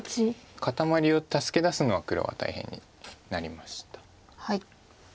固まりを助け出すのは黒が大変になりました。